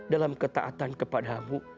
dalam ketaatan kepada mu